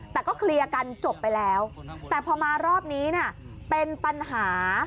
แต่ก็เคลียร์กันจบไปแล้วแต่พอมารอบนี้เนี่ยเป็นปัญหา